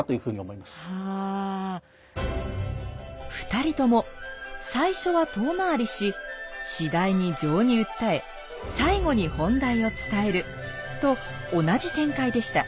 ２人とも最初は遠回りし次第に情に訴え最後に本題を伝えると同じ展開でした。